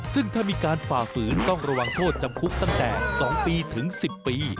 ซึ่งถ้ามีการฝ่าฝืนต้องระวังโทษจำคุกตั้งแต่๒ปีถึง๑๐ปี